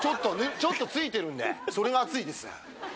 ちょっと付いてるんでそれが熱いです。